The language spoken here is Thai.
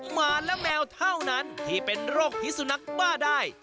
หมาและแมวเท่านั้นที่เป็นโรคพิสุนักบ้าได้